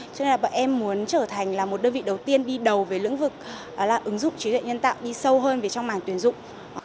cho nên là bọn em muốn trở thành là một đơn vị đầu tiên đi đầu về lĩnh vực là ứng dụng trí tuệ nhân tạo đi sâu hơn về trong mảng tuyển dụng